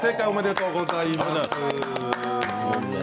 おめでとうございます。